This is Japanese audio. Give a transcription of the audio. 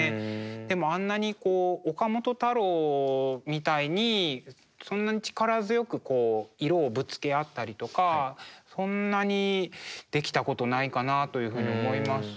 でもあんなにこう岡本太郎みたいにそんなに力強くこう色をぶつけ合ったりとかそんなにできたことないかなというふうに思います。